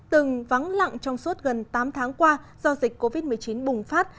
từng vắng lặng trong suốt gần tám tháng qua do dịch covid một mươi chín bùng phát